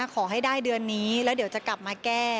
ขอให้ได้เดือนนี้แล้วเดี๋ยวจะกลับมาแก้